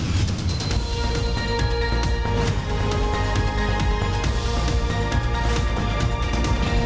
มีความรู้สึกว่ามีความรู้สึกว่ามีความรู้สึกว่า